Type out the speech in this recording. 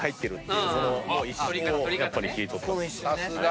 さすが。